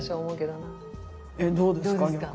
どうですか？